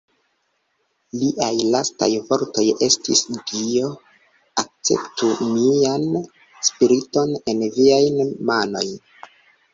Liaj lastaj vortoj estis: "Dio, akceptu mian spiriton en Viajn manojn!".